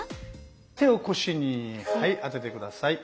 手を腰に当てて下さい。